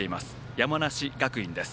山梨学院です。